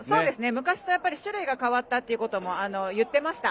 昔と種類が変わったということも言ってました。